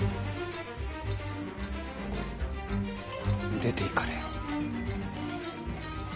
出ていかれよ。